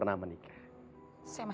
udah mas iwan